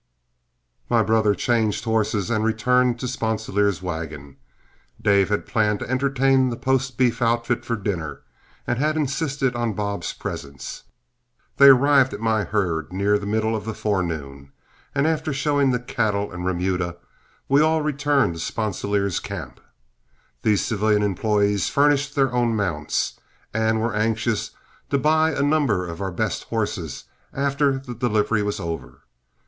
My brother changed horses and returned to Sponsilier's wagon. Dave had planned to entertain the post beef outfit for dinner, and had insisted on Bob's presence. They arrived at my herd near the middle of the forenoon, and after showing the cattle and remuda, we all returned to Sponsilier's camp. These civilian employees furnished their own mounts, and were anxious to buy a number of our best horses after the delivery was over.